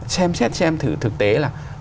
xem xét xem thực tế là